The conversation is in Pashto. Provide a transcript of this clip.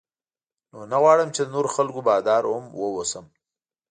نو نه غواړم چې د نورو خلکو بادار هم واوسم.